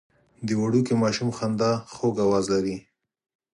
د وړوکي ماشوم خندا خوږ اواز لري.